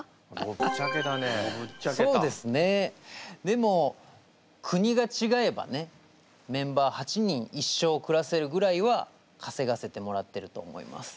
でも国がちがえばねメンバー８人一生くらせるぐらいはかせがせてもらってると思います。